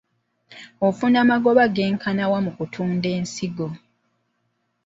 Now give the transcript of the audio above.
Ofuna magoba genkana wa mu kutunda ensigo?